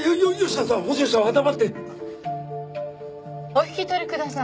お引き取りください。